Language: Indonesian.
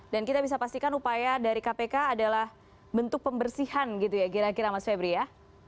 dan kita bisa pastikan upaya dari kpk adalah bentuk pembersihan gitu ya kira kira mas febri ya